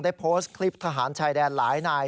โพสต์คลิปทหารชายแดนหลายนาย